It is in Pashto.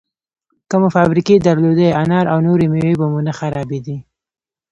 که مو فابریکې درلودی، انار او نورې مېوې به مو نه خرابېدې!